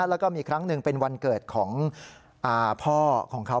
แล้วก็มีครั้งหนึ่งเป็นวันเกิดของพ่อของเขา